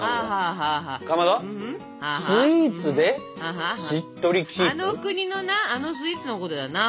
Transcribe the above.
あの国のなあのスイーツのことだな。